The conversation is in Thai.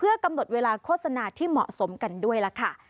กำหนดเวลาโฆษณาที่เหมาะสมกันด้วยล่ะค่ะ